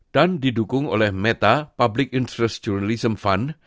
dan didukung oleh meta public interest journalism fund